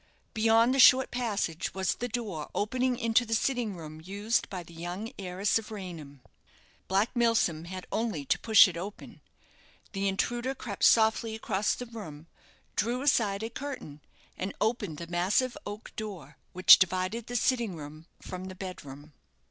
Beyond the short passage was the door opening into the sitting room used by the young heiress of Raynham. Black Milsom had only to push it open. The intruder crept softly across the room, drew aside a curtain, and opened the massive oak door which divided the sitting room from the bed room.